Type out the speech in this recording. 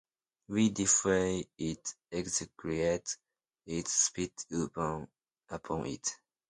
We defy it, execrate it, spit upon it.